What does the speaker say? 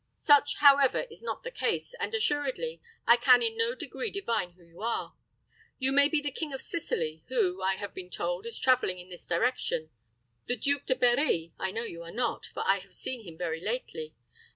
Such, however, is not the case, and assuredly I can in no degree divine who you are. You may be the King of Sicily, who, I have been told, is traveling in this direction. The Duke de Berri, I know you are not; for I have seen him very lately.